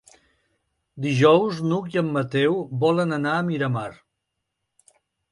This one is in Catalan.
Dijous n'Hug i en Mateu volen anar a Miramar.